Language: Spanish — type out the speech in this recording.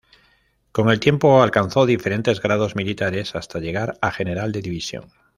Con el tiempo alcanzó diferentes grados militares, hasta llegar a General de División.